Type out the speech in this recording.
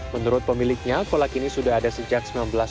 menurut pemiliknya kolak ini sudah ada sejak seribu sembilan ratus sembilan puluh